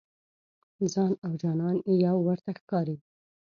ځان او جانان یو ورته ښکاري.